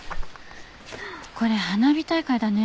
これ花火大会だね。